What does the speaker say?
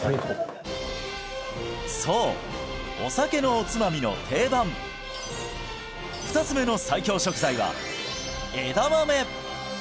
そうお酒のおつまみの定番２つ目の最強食材は枝豆